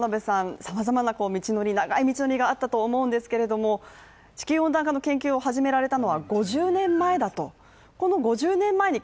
さまざまな長い道のりがあったと思うんですけど地球温暖化の研究を始められたのは５０年前だと。